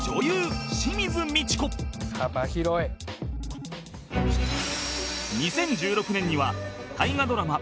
「幅広い」２０１６年には大河ドラマ